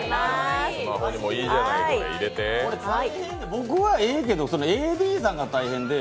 僕はええけど、ＡＤさんが大変で。